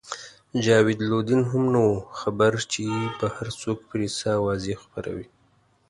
جاوید لودین هم نه وو خبر چې بهر څوک پرې څه اوازې خپروي.